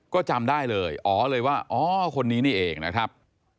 ก็จำได้เลยอ๋อเลยว่าอ๋อคนนี้นี่เองนะครับ